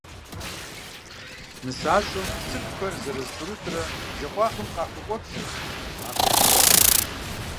Нысащӏэм, цӏыкӏухэр, зырыз-тӏурытӏурэ, бжэ къуагъым къыхукъуэплъырт, къыхуэгуфӏэхэрт.